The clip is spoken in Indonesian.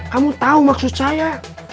kamu tau maksud saya